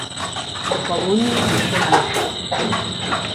У калоніі піша вершы.